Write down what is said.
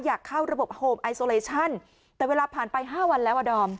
อยากเข้าระบบโฮมไอโซเลชั่นแต่เวลาผ่านไปห้าวันแล้วอ่ะดอม